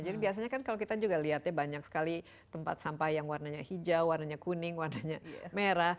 jadi biasanya kan kalau kita juga lihatnya banyak sekali tempat sampah yang warnanya hijau warnanya kuning warnanya merah